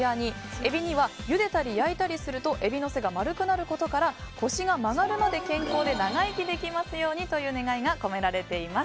エビにはゆでたり焼いたりするとエビの背が丸くなることから腰が曲がるまで健康で長生きできますようにという願いが込められています。